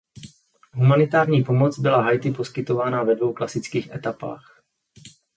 Humanitární pomoc byla Haiti poskytována ve dvou klasických etapách.